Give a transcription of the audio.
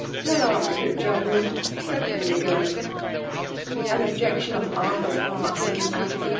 Tell Armytage I will certainly goJ' • An dbjedioa on Arthur^s part seemed out ^of the.